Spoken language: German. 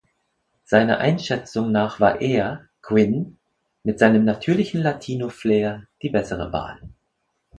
Seiner Einschätzung nach war er, Quinn, mit seinem natürlichen Latino-Flair die bessere Wahl.